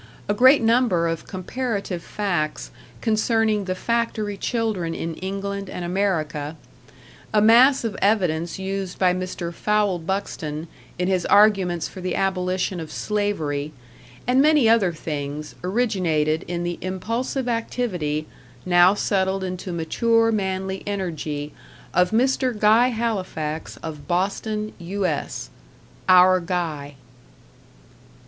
A great number of comparative facts concerning the factory children in England and America; a mass of evidence used by Mr. Fowell Buxton in his arguments for the abolition of slavery; and many other things, originated in the impulsive activity, now settled into mature manly energy, of Mr. Guy Halifax, of Boston, U.S. "our Guy."